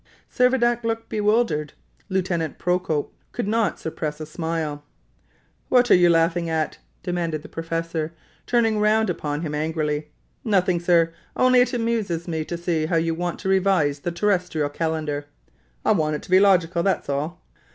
Servadac looked bewildered. Lieutenant Procope could not suppress a smile. "What are you laughing at?" demanded the professor, turning round upon him angrily. "Nothing, sir; only it amuses me to see how you want to revise the terrestrial calendar." "I want to be logical, that's all."